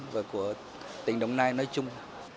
và của tỉnh đồng nai nói chung